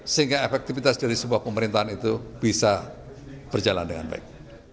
sehingga efektivitas dari sebuah pemerintahan itu bisa berjalan dengan baik